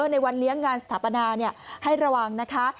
ในวันเลี้ยงงานสถาปนาให้ระวังนะคะ